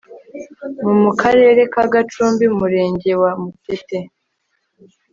mu mu karere ka gicumbi murenge wa mutete